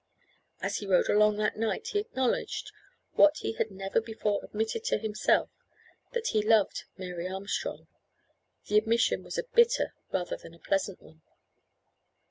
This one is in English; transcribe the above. As he rode along that night he acknowledged, what he had never before admitted to himself, that he loved Mary Armstrong. The admission was a bitter rather than a pleasant one.